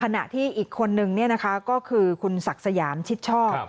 ขณะที่อีกคนนึงก็คือคุณศักดิ์สยามชิดชอบ